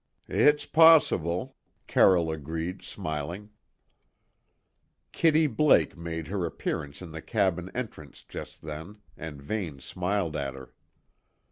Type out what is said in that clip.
"It's possible," Carroll agreed, smiling. Kitty Blake made her appearance in the cabin entrance just then, and Vane smiled at her.